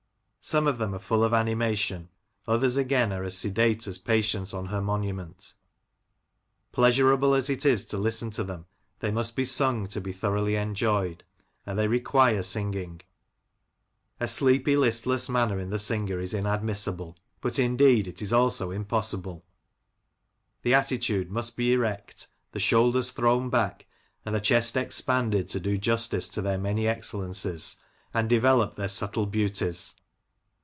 Some of them are full of animation, others, again, are as sedate as Patience on her monument Pleasurable as it is to listen to them, they must be sung to be thoroughly enjoyed, and they require singing. A sleepy, 68 Lancashire Characters and Places, listless manner in the singer is inadmissible ; but, indeed, it is also impossible. The attitude must be erect, the shoulders thrown back, and the chest expanded to do justice to their many excellencies and develop their subtle beauties.